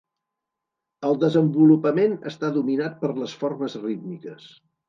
El desenvolupament està dominat per les formes rítmiques.